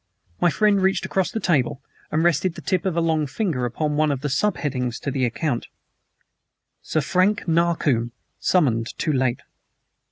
My friend reached across the table and rested the tip of a long finger upon one of the sub headings to the account: "SIR FRANK NARCOMBE SUMMONED TOO LATE."